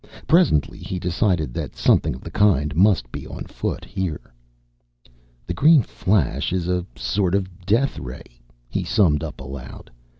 Presently he decided that something of the kind must be on foot here. "The green flash is a sort of a death ray," he summed up, aloud.